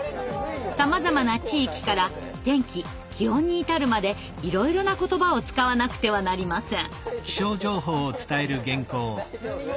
さまざまな地域から天気・気温に至るまでいろいろな言葉を使わなくてはなりません。